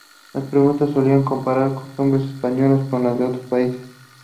Las preguntas solían comparar costumbres españolas con las de otros países.